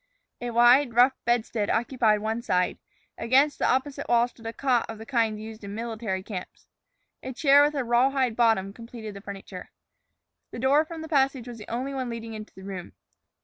A wide, rough bedstead occupied one side; against the opposite wall stood a cot of the kind used in military camps. A chair with a rawhide bottom completed the furniture. The door from the passage was the only one leading into the room.